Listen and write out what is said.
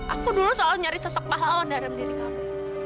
aku dulu soal nyari sosok pahlawan dalam diri kamu